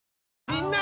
みんな！